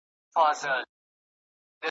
ما به څه کول دنیا چي څه به کیږي ,